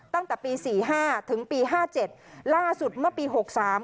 ตั้งแต่ปีสี่ห้าถึงปีห้าเจ็ดล่าสุดเมื่อปีหกสาม